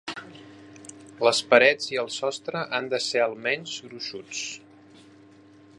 Les parets i el sostre han de ser almenys gruixuts.